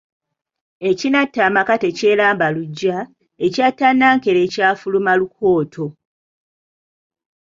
Ekinatta amaka tekyeramba luggya, ekyatta Nnankere kyafuluma lukooto.